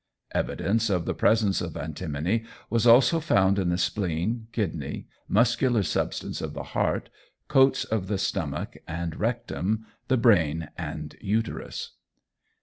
Evidence of the presence of antimony was also found in the spleen, kidney, muscular substance of the heart, coats of the stomach and rectum, the brain and uterus.